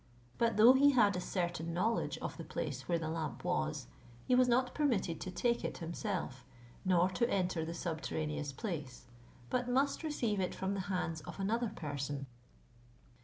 But though he had a certain knowledge of the place where the lamp was, he was not permitted to take it himself, nor to enter the .subterraneous place, but must receive it from the hands of another person.